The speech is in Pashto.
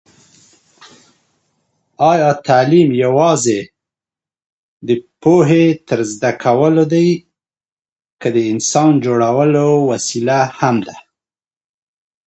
آیا تعلیم يوازي د پوهي تر زده کولو دی که د انسان جوړولو وسیله هم ده ؟